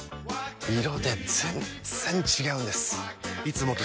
色で全然違うんです！